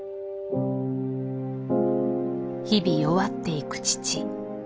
日々弱っていく父。